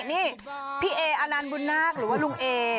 นี่พี่เออนันต์บุญนาคหรือว่าลุงเอ